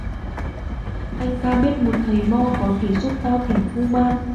Anh ta biết một thầy mo có thể giúp tao thỉnh ku man